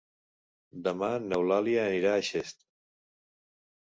Demà n'Eulàlia anirà a Xest.